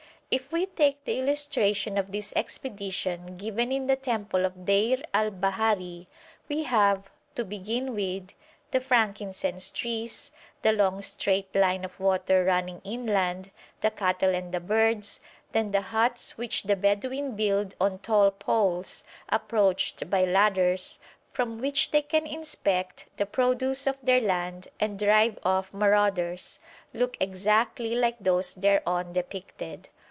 If we take the illustration of this expedition given in the temple of Deir al Bahari, we have, to begin with, the frankincense trees, the long straight line of water running inland, the cattle and the birds; then the huts which the Bedouin build on tall poles, approached by ladders, from which they can inspect the produce of their land and drive off marauders, look exactly like those thereon depicted.